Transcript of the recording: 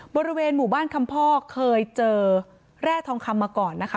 บริเวณหมู่บ้านคำพ่อเคยเจอแร่ทองคำมาก่อนนะคะ